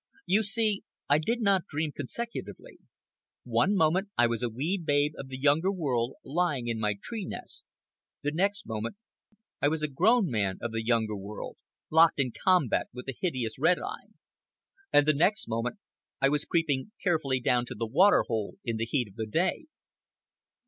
You see, I did not dream consecutively. One moment I was a wee babe of the Younger World lying in my tree nest; the next moment I was a grown man of the Younger World locked in combat with the hideous Red Eye; and the next moment I was creeping carefully down to the water hole in the heat of the day.